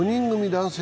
男性